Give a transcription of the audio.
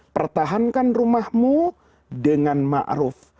pertahankan rumahmu dengan ma'ruf